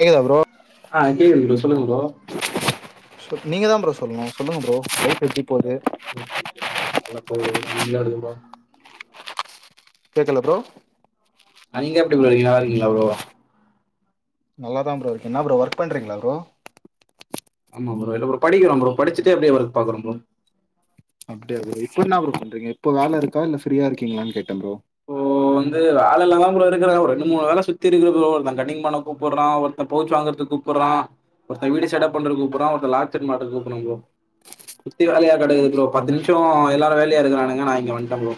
கேக்குதா ப்ரோ ஆ கேக்குது ப்ரோ சொல்லுங்க ப்ரோ நீங்க தா ப்ரோ சொல்னு சொல்லுங்க ப்ரோ லைப் எப்டி போது நல்லா போவுது நீங்களாவது ப்ரோ கேக்கல ப்ரோ அ நீங்க எப்டி ப்ரோ இருக்கீங்க நல்லாருக்கிங்ளா ப்ரோ நல்ல தா ப்ரோ இருக்க என்னா ப்ரோ ஒர்க் பண்றீங்ளா ப்ரோ ஆமா ப்ரோ இல்ல ப்ரோ படிக்கிற ப்ரோ படிச்சிட்டே அப்டே ஒர்க் பாக்குற ப்ரோ அப்டியா ப்ரோ இப்ப என்னா ப்ரோ பண்றீங்க இப்ப வேலருக்க இல்ல ஃப்ரீயா இருக்கீங்ளான் கேட்ட ப்ரோ ஓ வந்து வேலல தா ப்ரோ இருக்கற ஒரு ரெண்டு மூணு வேல சுத்தி இருக்குது ப்ரோ ஒருத்த கட்டிங் பன்ன கூப்புட்றா ஒருத்த பவ்ச் வாங்குறதுக் கூப் புறா ஒருத்த வீடு செட்டப் பண்ற கூப்புறா ஒருத்த லாச்சரி மாட்ட கூப்றா ப்ரோ சுத்தி வேலையா கடக்குது ப்ரோ பத்து நிமிஷோ எல்லாரு வேலையா இருக்குறானுங்க நா இங்க வன்ட ப்ரோ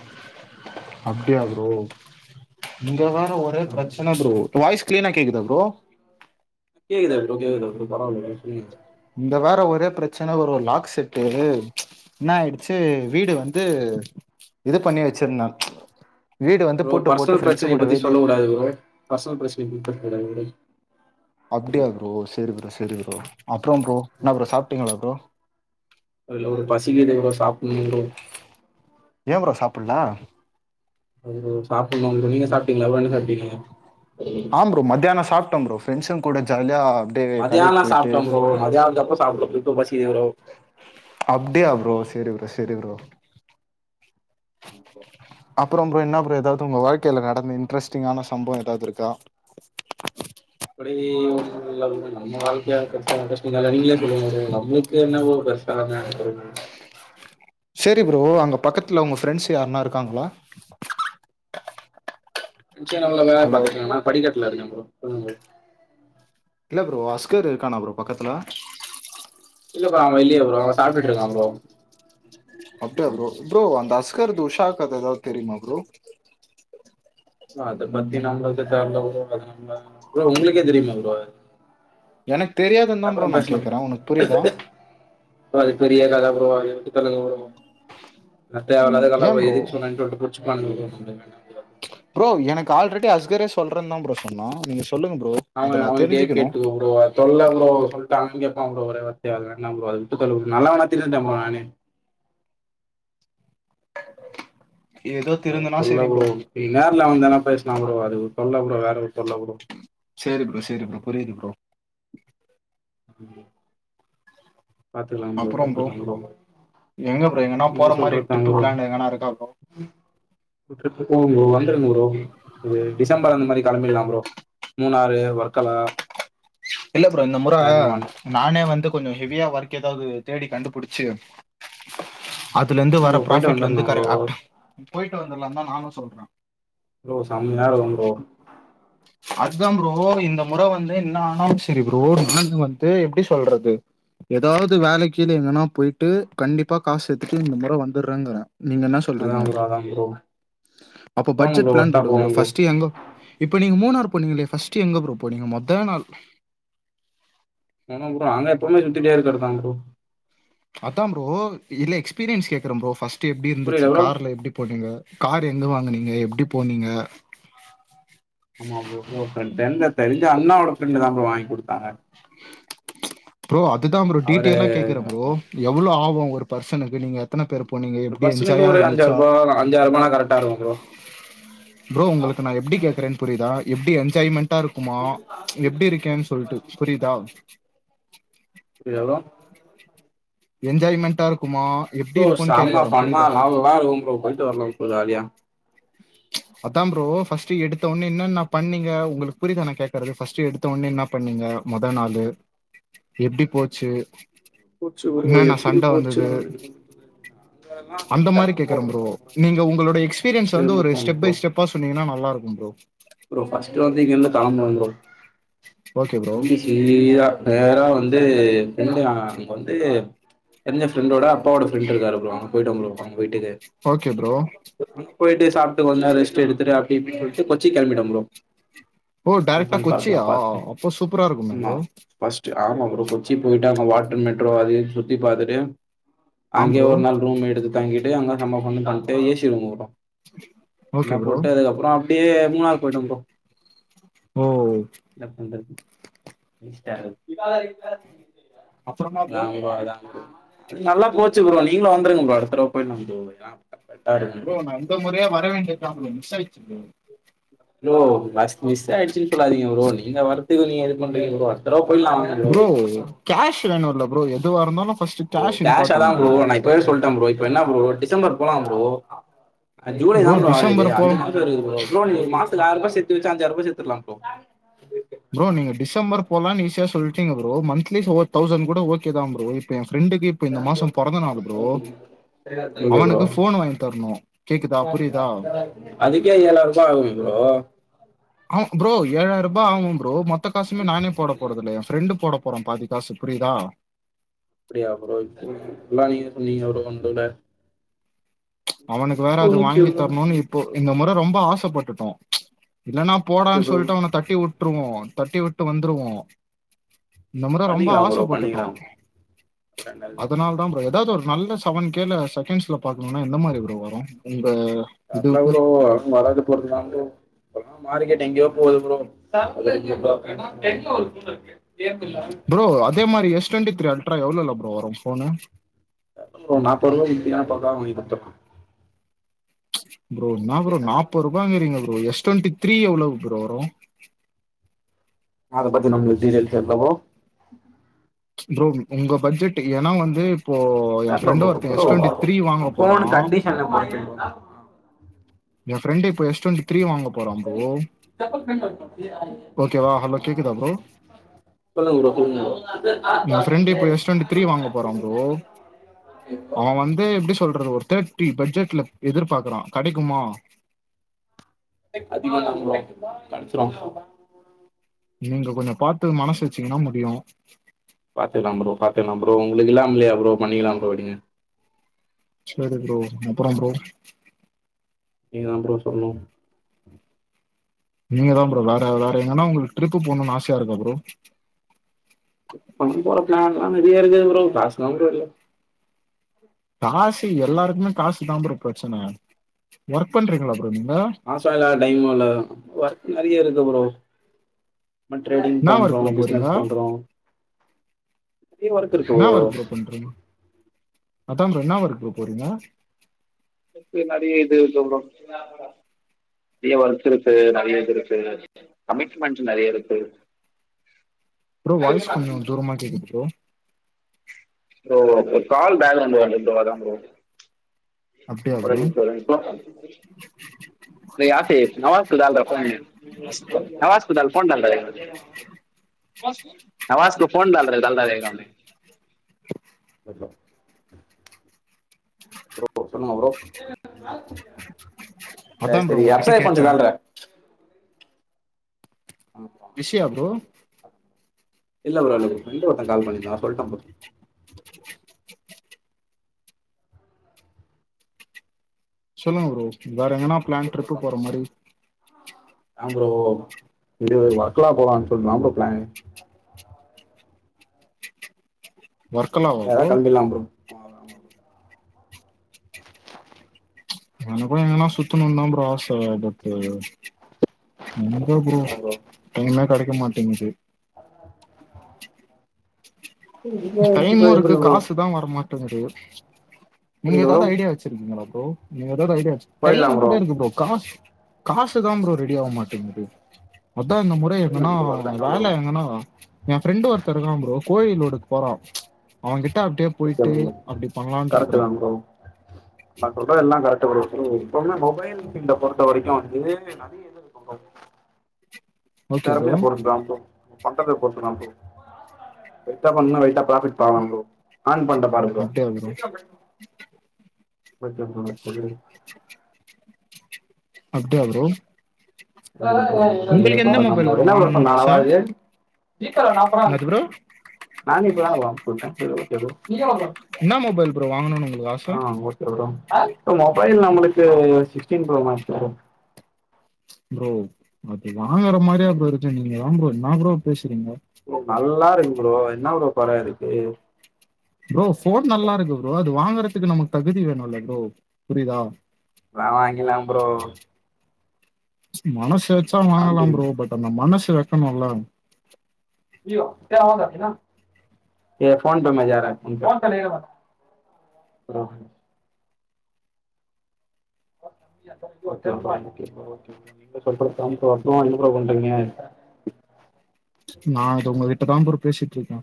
அப்டியா ப்ரோ இங்க வேற ஒரே ஆ. பிரச்சன ப்ரோ வாய்ஸ் க்ளீனா கேக்குதா ப்ரோ கேக்குதா ப்ரோ கேக்குதா ப்ரோ பரவால்லையா சொல்லுங்க இந்த வார ஒரே பிரச்சன ஒரு ஒரு லாக் செட்டு என்னாயிடுச்சி வீடு வந்து இது பண்ணி வச்சிருந்த ப்ரோ பர்சனல் பிரச்சனய பத்தி சொல்ல கூடாது ப்ரோ பர்சனல் பிரச்சனய பத்தி பேச கூடாது ப்ரோ அப்டியா ப்ரோ செரி ப்ரோ சரி ப்ரோ அப்றோ ப்ரோ என்னா ப்ரோ சாப்ட்டீங்ளா ப்ரோ இல்ல ப்ரோ பசிக்கிது ப்ரோ சாப்பிலிங் ப்ரோ ஏ ப்ரோ சாப்புல்ல ம் சாப்புன்னு ப்ரோ நீங்க சாப்ட்டீங்ளா ப்ரோ என்ன சாப்ட்டீங்க ஆ ப்ரோ மதியான சாப்ட ப்ரோ ஃபிரெண்ஸுங் கூட ஜாலியா அப்படியே கடைக்கு மதியான்லா போயிட்டு சாப்ட்ட ப்ரோ மதியானத்தப்ப சாப்ட்டோ இப்ப பசிக்குது ப்ரோ அப்டியா ப்ரோ செரி ப்ரோ செரி ப்ரோ அப்றோ ப்ரோ என்ன ப்ரோ ஏதாவது உங்க வாழ்க்கையில நடந்த இன்ட்ரெஸ்ட்டிங்கான சம்பவம் ஏதாவது இருக்கா அப்டி ஒன்னு இல்ல ப்ரோ நம்ம வாழ்க்கைய கஷ்ட கஷ்ட தாலா நீங்களே சொல்லுங்க ப்ரோ நம்ளுக்கு என்ன ப்ரோ பர்ச் [unintelligible] செரி ப்ரோ அங்க பக்கத்ல உங்க ஃப்ரெண்ட்ஸ் யாருனா இருக்காங்ளா [unintelligible] வேலைய ஹலோ பாத்துட்டு இருக்காங்கனா நா படிக்கட்ல இருக்க ப்ரோ சொல்லு ப்ரோ இல்ல ப்ரோ அஸ்கர் இருக்கானா ப்ரோ பக்கத்ல இல்லப்பா அவ இல்லியே ப்ரோ அவ சாப்ட்டுட் இருக்கா ப்ரோ அப்டியா ப்ரோ ப்ரோ அந்த அஸ்கர்து உஷா கத ஏதாவத் தெரியுமா ப்ரோ அத பத்தி நம்மளுக்கு தெரில ப்ரோ அத நம்ம ப்ரோ உங்களுக்கே தெரியுமா ப்ரோ எனக்கு தெரியாதுன் தா அப்புறோ ப்ரோ நா பேசலாம் கேக்கற உனக் புரியுதா ப்ரோ அது பெரிய கத ப்ரோ அத விட்டு தள்ளுங்க ப்ரோ எல்லா தேவல்லாத இதெல்லா ப்ரோ எதுக் சொன்னன்டு வுட்டு புடிச்சிபாங்க ப்ரோ ப்ரோ எனக்கு ஆல்ரெடி அஸ்கரே சொல்ற தா ப்ரோ சொன்னா நீங்க சொல்லுங்க ப்ரோ அவ அதை அவ நான் கிட்டயே தெரிஞ்சுக்கணும் கேட்டுக்கோ ப்ரோ அத் சொல்ல ப்ரோ சொல்ட்டாங்கன் கேப்பா ப்ரோ ஒரே வார்த்தயா அது வேனா ப்ரோ அது விட்டுத் தள்ளு நல்லவனா திருந்திட்ட ப்ரோ நானு ஏதோ திருந்தனா செரி ப்ரோ நீ நேர்ல வந்தனா பேசலா ப்ரோ அது ஒரு தொல்ல ப்ரோ வேற ஒரு தொல்ல வுடு சேரி ப்ரோ சேரி ப்ரோ புரியுது ப்ரோ ஆப்பி ப்ரோ பாத்துக்கலா ப்ரோ பாத்துக்கலா ப்ரோ எங்க ப்ரோ எங்கன்னா நீங்க போற சொல்ற மாதிரி தாங் ட்ரிப்பு ப்ரோ பிளான் எங்கன்னா இருக்கா ப்ரோ ட்ரிப் போவோ ப்ரோ வந்துருங்க ப்ரோ ஒரு டிசம்பர் அந்த மாரி கிளம்பிலா ப்ரோ மூணாறு வர்க்கலா இல்ல ப்ரோ இந்த முற வேகமான் நானே வந்து கொஞ்சம் ஹெவியா ஒர்க் ஏதாவது தேடி கண்டுபிடிச்சு அதுல இருந்து என்ன வர ப்ரோ போயிட்டு ப்ராஃபிட்ல இருந்து வந்துடலாம் கரெ ப்ரோ அட் போயிட்டு வந்தறலா தான் நானும் சொல்றே ப்ரோ சமையா இருக்கும் ப்ரோ அத்தா ப்ரோ இந்த முற வந்து என்ன ஆனாலு செரி ப்ரோ நாங்க வந்து எப்டி சொல்றது ஏதாவது வேலைக்குது எங்கன்னா போய்ட்டு கண்டிப்பா காசு சேத்துட்டு இந்த முற வந்துறங்குறே நீங்க என்ன சொல்றீங்க அதான் ப்ரோ அதான் ப்ரோ அப்ப போகணும் ப்ரோ பட்ஜெட் பிளான் ஒர்த்தா போடுங்க போகணும் ப்ரோ ஃபர்ஸ்ட் எங்க இப்ப நீங்க மூணார் போனீங்களே ஃபர்ஸ்ட் எங்க ப்ரோ போனிங்க மொத நாள் ஆமா ப்ரோ அங்க எப்பவுமே சுத்திட்டே இருக்கிறதுதா ப்ரோ அதா ப்ரோ இல்ல எக்ஸ்பீரியன்ஸ் கேக்குறே ப்ரோ ஃபர்ஸ்ட் எப்டி இருந்துச்சு புரியல ப்ரோ கார்ல எப்டி போனீங்க கார் எங்க வாங்கனீங்க எப்டி போனீங்க ஆமா ப்ரோ ப்ரோ த தெரிஞ்ச தெரிஞ்ச அண்ணாவோட ஃப்ரெண்டு தா ப்ரோ வாங்கி குடுத்தாங்க ப்ரோ அதுதா ப்ரோ அவரு டீடைலா கேக்குற ப்ரோ ஆமா எவ்ளோ ஆகும் ஒரு பர்சனுக்கு நீங்க எத்தன பேர் போனீங்க ஒரு எப்டி பர்சனுக்கு என்ஜாயா ஒரு ரூ. இருந்துச்சா ரூ. கரெக்டா இருக்கும் ப்ரோ. ப்ரோ உங்களுக்கு நா எப்டி கேக்றே புரியுதா எப்படி என்ஜாய்மெண்ட் டா இருக்குமா எப்டி இருக்கேன்னு சொல்லிட்டு புரிதா இது எவ்ளோ என்ஜாய்மெண்ட்டா இருக்குமா எப்டி இருக்குன்னு கேக்க வர புரிதா வா ரூமுக்குள்ள போய்ட்டு வரலா கொஞ்ஜோ வாரியா அதா ப்ரோ ஃபஸ்ட் எடுத்த உன்னு என்னன்ன பண்ணிங்க உங்களுக்கு புரியத நா கேட்கறது ஃபஸ்ட் எடுத் எடுத்தோண்ண என்ன பண்ணீங்க மொத நாளு எப்டி போச்சு போச்சு ப்ரோ என்னன்ன எப்படி சண்ட வந்தது போச்சுன்னு அங்கலாம் அந்த மாரி சண்டலாம் கேக்குற போடுறது ப்ரோ தான் நீங்க உங்களோட எக்ஸ்பீரியன்ஸ் ஃபர்ஸ்ட்டு வந்து ஒரு போனோம் ஸ்டெப் பை ப்ரோ. ஸ்டெப் பா சொன்னீங்கன்னா நல்ல இருக்கும் ப்ரோ ப்ரோ ஃபஸ்ட் வந்து இங்க இருந்து கிளம்புனோ ப்ரோ ஓகே ப்ரோ வீரா நேரா வந்து ஃப்ரெண்ட் அங்க வந்து தெரிஞ்ச ஃப்ரெண்டோட அப்பாவோட ஃப்ரெண்ட் இருக்காரு ப்ரோ அங்க போயிட்டோம் ப்ரோ அவுங்க வீட்டுக்கு ஓகே ப்ரோ போயிட்டு சாப்ட்டு கொஞ்சோ நேர ரெஸ்ட் எடுத்துட்டு அப்டி இப்டின்னு சொல்லிட்டு கொச்சிக்கு கிளம்பிட்டோம் ப்ரோ ஓ டெரக்ட்டா எலிஃபண்ட் பார்க்லா கொச்சியா அப்போ சூப்பரா இருக்குமே ப்ரோ ஃபஸ்ட் ஆமா ப்ரோ கொச்சி போயிட்டு அங்க வாட்டர் மெட்ரோ அது இதுனு சுத்தி பாத்தட்டு ஆம் அங்கயே ப்ரோ ஒரு நாள் ரூம் எடுத்து தங்கிட்டு அங்க செம ஃபன் பண்ணிட்டு ஏசி ரூம் போட்டோ ஓகே எல்லா ப்ரோ போட்டு அதுகப்றம் அப்டியே மூணார் போய்ட்டே ப்ரோ ஓ என்ன பண்றது ஹிஸ்ட்டா ஹிடாரிக்கள் அப்புறமா ப்ரோ நாங்கோ தாங்கோ நல்லா போச்சு ப்ரோ நீங்களு வந்துருங்க ப்ரோ அடுத்த தடவ போய்ட்டுலா ப்ரோ யா ப்ரோ நா அந்த முறையே வரவேண்டிய தா ப்ரோ மிஸ் ஆய்ருச்சு ப்ரோ ப்ரோ பஸ் மிஸ் ஆயிடுச்சு சொல்லாதீங்க ப்ரோ நீங்க வரத்துக்கு நீங்க இது பண்றீங்க ப்ரோ அடுத் தடவ போய்ட்ல வாங்க ப்ரோ கேஷ் வேணு இல்ல ப்ரோ எதுவா இருந்தாலு ஃபர்ஸ்ட்டு கேஷ் இம்பார்டன்ட் ப்ரோ பேர் சொல்லிட்டே ப்ரோ இப்ப என்ன ப்ரோ டிசம்பர் போலா ப்ரோ ஜூலைதா ப்ரோ ஆகுது டிசம்பர் போ அஞ்சு மாசோ [unintelligible] ப்ரோ ப்ரோ நீங்க மாசத்துல ஆயர்பா செத்து வச்சு அஞ்சரூபா செத்துர்ல ப்ரோ ப்ரோ நீங்க டிசம்பர் போலன்னு ஈஸியா சொல்லிட்டீங்க ப்ரோ மந்த்லி ஃபோர் தௌசண்ட் கூட ஓ கேதா ப்ரோ இப்ப ஏ ஃப்ரெண்டுக்கு இப்ப இந்த மாசோ பொறந்த நாள் ப்ரோ பிறகு அவனுக்கு ஃபோன் வாங்கி யாரு தரணும். தள்ளின்னு கேக்குதா? புரியுதா? வருவா அதுக்கே ஏழாயிர ரூவா [unintelligible] அவ ப்ரோ ஏழாயிர ரூபா ஆகு ப்ரோ மொத்த காசுமே நானே போடப் போறதுல்ல ஏ ஃப்ரெண்டு் போட போறா பாதிக்காசு புரியுதா அப்டியா ப்ரோ இப் எல்லா நீங்க சொன்னீங்க ஒரு [unintelligible] அவனுக்கு வேற அது வாங்கி தரணுன்னு இப்போ இந்த முற ரொம்ப ஆசப்பட்டுட்டோ இல்லன்னா போடான்னு ப்ரோ சொல்லிட்டு அவன தட்டி விட்டுருவோ தட்டி விட்டு வந்துருவோ இந்த மொற ரொம்ப பண்ணிக்கலாம் ப்ரோ ஆசப்பட்டுட்டோ பண்ணிக்கலாம் ஒரு ரெண்டாயிரம் பண்ணிக்கலாம் அதனாலதா ப்ரோ ஏதாவது ஒரு நல்ல செவன் கேல செகண்ட்ஸ்ல பாக்கணுன்னா எந்த மாரி ப்ரோ வரு உங்க கட்ல இதுக்கு. ப்ரோ ஆ நடக்க போறதுதா ப்ரோ இப்பல்லா மார்கெட் எங்கயோ போகுது ப்ரோ சவல [inaudible] எல்ல ஒரு இருக்கு ப்ரோ அதேமாரி எஸ் டுவெண்ட்டி த்ரீ அல்ட்ரா எவ்ளோல்ல ப்ரோ வரு ஃபோனு ப்ரோ நாப்பது ரூவாக்கி வித்தீங்கன்னா பக்காவா வாங்கி குடுத்துர்றோ ப்ரோ என்ன ப்ரோ நாப்பது ரூபாங்குறீங்க ப்ரோ எஸ் டுவெண்டி த்ரீ எவ்ளவு ப்ரோ அத பத்தி நம்மளுக்கு டீடெயில் தெரில ப்ரோ ப்ரோ உங்க பட்ஜெட்டு ஏன்னா வந்து இப்போ ஆ என் ப ஃப்ரெண்டு ப ஒருத்தன் எஸ் ப்ரோ டுவெண்ட்டி த்ரீ வாங்க ஃபோன் போறான் கண்டஷன் பொறுத்து ப்ரோ ஏ ஃப்ரெண்ட் இப்ப எஸ்ட்டெண்டு த்ரீ வாங்க போறா ப்ரோ ஓகேவா ஹலோ கேக்குதா ப்ரோ சொல்லுங்க ப்ரோ என் ஃப்ரெண்டு இப்ப எஸ் டுவெண்டி த்ரீ வாங்க போறோ ப்ரோ அவே வந்து எப்டி சொல்றது ஒரு தேர்ட்டி பட்ஜெட்ல எதிர்பாக்குறா கெடைக்குமா அதிக சம்பளோ கடச்சிடு நீங்க கொஞ்சோ பாத்து மனசு வச்சீங்கன்னா முடியு பாத்துக்லா ப்ரோ பாத்துக்லா ப்ரோ உங்களுக்கு இல்லாமிலியா ப்ரோ பண்ணிக்லா ப்ரோ அடிங்க சேரி ப்ரோ அப்பறோ ப்ரோ நீங்க தா ப்ரோ சொல்லணு நீங்க தா ப்ரோ வேற வேற எங்கன்னா உங்களுக்கு ட்ரிப்பு போணும்னு ஆசைய இருக்கா ப்ரோ பண்ணி போற பிளான்ல்லா நெறைய இருக்குது ப்ரோ காசு தா ப்ரோ இல்ல காசு எல்லாருக்குமே காசு தா ப்ரோ பிரச்சன ஒர்க் பண்றீங்களா ப்ரோ நீங்க காசல்ல டைம்மு இல்ல ஒர்க் நெறைய இருக்கு ப்ரோ நம்ம ட்ரேடிங் என்ன பண்றோ ஒர்க் ப்ரோ போறீங்க பிஸ்னஸ் பண்றோ நெறைய ஒர்க் இருக்கு ப்ரோ அதா ப்ரோ என்னா ஒர்க்குக் போறீங்க [unintelligible] நெறைய இது சொல்றோம் நெறைய ஒர்க் இருக்கு நெறைய இது இருக்கு கமிட்மெண்ட் நெறைய இருக்கு ம் ப்ரோ வாய்ஸ் கொஞ்ஜோ தூரம் ஆ கேட்குது bro oh okay call balance வந்து அதா ப்ரோ அப்டியா ஒரே ப்ரோ நிமிஷோ ஒரு நிமிஷோ ஆசி நவ குத நவஸ கு தால்ஃன் நவாஸ்க்கு ஃபோன் பண்றதுக்கு தாண்டாத கேக்க வந்தே இப்போ ப்ரோ சொல்லுங்க ப்ரோ அதா சேரி ப்ரோ சேரி உங்ககிட்ட எக்ஸ்ரே கொஞ்ச கேட்டே நாள்ல ம் பிசியா ப்ரோ இல்ல ப்ரோ இல்ல ப்ரோ ஃபிரெண்டு ஒருத்த கால் பண்ணிருந்தா சொல்ட்ட ப்ரோ ம் சொல்லுங்க ப்ரோ வேற இப்ப எங்கன்னா நீங்க பிளான் ட்ரிப்பு சொல்றதுதா போற ப்ரோ மாரி ஏ ப்ரோ இது ஒர்க்லா போலான்னு சொல்ட்டுதா ப்ரோ பிளானு ஒர்க்கலாவா ப்ரோ லா ப்ரோ ஆமா எனக் கூட எங்கன்னா சுத்தணுன்னு தா ஆச பட்டு எங்க ப்ரோ டைமே கெடைக்க மாட்டேங்குது டைமும் எப்டி இருக்கு ப்ரோ காசு தா வரமாட் டேங்கிது நீங்க புரில ப்ரோ ஏதாது ஐடியா வச்சிருக்கீங்களா ப்ரோ நீங்க ஏதாது ஐடியா போயிட்லா டைமு ப்ரோ கூட இருக்கு காஸ் காசு தா ப்ரோ ரெடியாவ மாட்டேங்கிது அதா நம்ம மா எங்கனா அதுதான ப்ரோ வேல எங்கன்னா ஏ ஃப்ரெண்டு ஒருத்த இருக்கா ப்ரோ கோயிலோட போறா அவங்கிட்ட அப்டியே ஓகே ப்ரோ அப்டி பண்ணலான்ட்டு இருக்கறே கரெட்டுதா ப்ரோ நா சொல்றது எல்லா கரெக்ட்டு ப்ரோ ப்ரோ சொன்ன மொபைல் ஃபீல்ட பொறுத்த வரைக்கு வந்து நெறைய இது ஓகே ப்ரோ தெறமைய பொறுத்துதா ப்ரோ பண்றத பொறுத்து தா ப்ரோ வெயிட்டா பண்ணா வெயிட்டா ப்ராஃபிட் பாக்கலா ப்ரோ ஆன் பண்ட்ட பாரு ப்ரோ கொஞ்ச பொறு [unintelligible] அ அப்டியா ப்ரோ [inaudible] இப்ப நீங்க உங்களுக்கு எந்த சொல்றதுது மொபைல் ப்ரோ என்னா ப்ரோ இவளோ வாங்கணும்னு ஆச நாளாவுது என்னது ப்ரோ நானு இப்பதா அனுப்ச்சிவுட்ட [unintelligible] இன்னா மொபைல் ப்ரோ வாங்குனோ நம்ம லாஸ்ட்டா ஆ ஓகே ப்ரோ இப்ப மொபைல் நம்மளுக்கு sixteen bro maths bro bro அது வாங்குற மாரியா ப்ரோ இருக்கு நீங்கதா ப்ரோ என்ன ப்ரோ பேசுறீங்க ப்ரோ நல்லாருக்கு ப்ரோ என்ன ப்ரோ கொற இருக்கு ப்ரோ ஃபோன் நல்லாருக்கு ப்ரோ அது வாங்குறதுக்கு நமக்கு தகுதி வேணுல்ல ப்ரோ புரியுதா வேணா வாங்கில்லா ப்ரோ ச் மனசு வச்சா வாங்கலா செவன்டீன் ப்ரோ பட் அந்த மனசு வெக்கணுல்ல ரேய் ஃபோன் பேமெண்ட் ஜார ப்ரோ ஓகேப்பா ஓகேப்பா ஓகேப்பா நீங்க சொல்றதுதா ப்ரோ அப்ற என்ன ப்ரோ பண்றீங்க நா இப்ப உங்ககிட்ட தா ப்ரோ பேசிட்ருக்க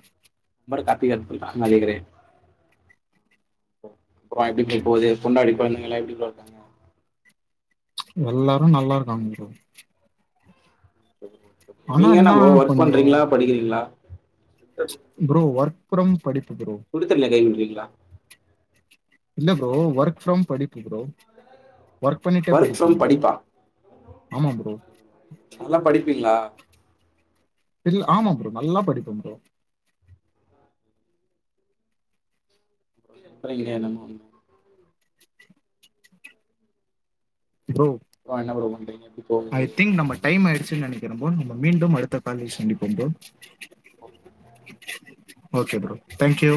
நா பாட்டு கத்தி கத்திதா [unintelligible] அப்ற எப்டி ப்ரோ போவுது பொண்டாட்டி கொழந்தங்கள்லா எப்டி ப்ரோ எல்லாரு நல்லா இருக்காங்க ஆனா நீங்க என்ன ப்ரோ ஒர்க் கொஞ்சம் பண்றீங்களா படிக்கிறீங்களா ப்ரோ ஒர்க் ஃப்ரம் படிப்பு ப்ரோ குடுத்தர்ல கைமிட்டுவீங்களா இல்ல ப்ரோ ஒர்க் ஃப்ரம் படிப்பு ப்ரோ ஒர்க் பண்ணிட்டே ஃப்ரம் படிப்ப ப்ரோ படிப்பா ஆமா ப்ரோ நல்லா படிப்பீங்களா இல்ல ஆமா ப்ரோ நல்லா படிப்ப ப்ரோ எப்போலா இதே நம்மோ ப்போ பா என்ன ப்ரோ பண்றீங்க எப்பிடி போகுது டைம் ஆயிடுச்சுன்னு நினைக்கிறே ப்ரோ நம்ம மீண்டும் அடுத்த கால்ல சந்திப்போ bro okay bro thank you